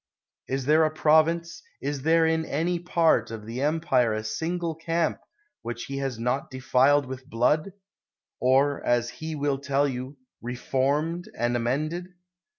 Is there a province, is there in any part of the empire a single camp, which he has not defiled with blood, — or, as he will tell you, reformed and amended!